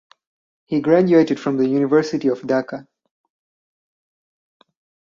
He graduated from the University of Dhaka.